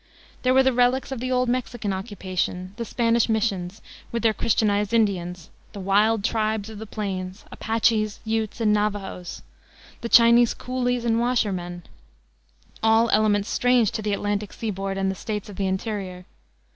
There were the relics of the old Mexican occupation, the Spanish missions, with their Christianized Indians; the wild tribes of the plains Apaches, Utes, and Navajoes; the Chinese coolies and washermen, all elements strange to the Atlantic seaboard and the States of the interior.